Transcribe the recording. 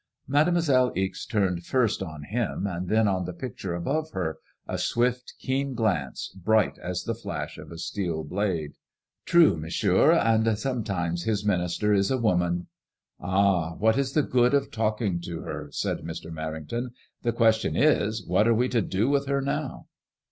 Mademoiselle Ixe turned first on him and then on the picture above her a swift keen glance, bright as the flash of a steel blade. " True, Monsieur. And some times His minister is a woman. "Oh, what is the good of talking to her ?*' said Mr. Merrington. "The question is, what are we to do with her now